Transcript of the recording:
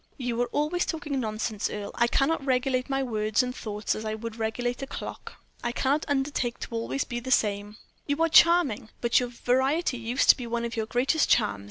"You are always talking nonsense, Earle. I cannot regulate my words and thoughts as I would regulate a clock. I cannot undertake to be always the same." "You are charming, but your variety used to be one of your greatest charms.